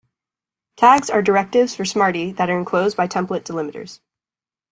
Tags are directives for Smarty that are enclosed by template delimiters.